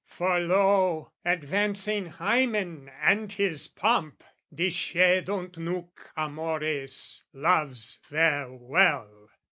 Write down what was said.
For lo, advancing Hymen and his pomp! Discedunt nunc amores, loves, farewell!